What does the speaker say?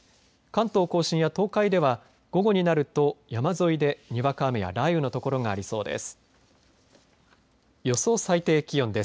関東甲信や東海では午後になると山沿いで、にわか雨や雷雨の所がありそうです。